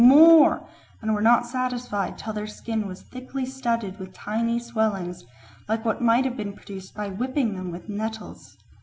more!" and were not satisfied till their skin was thickly studded with tiny swellings like what might have been produced by whipping them with nettles.